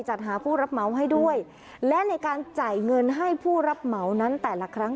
จัดหาผู้รับเหมาให้ด้วยและในการจ่ายเงินให้ผู้รับเหมานั้นแต่ละครั้ง